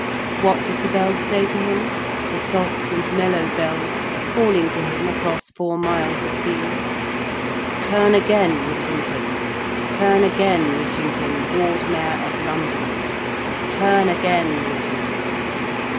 What did the bells say to him the soft and mellow bells, calling to him across four miles of fields? 'Turn again, Whittington Turn again, Whittington Lord Mayor of London Turn again, Whittington.'